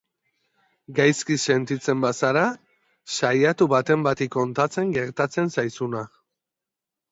Gaizki sentitzen bazara, saiatu baten bati kontatzen gertatzen zaizuna.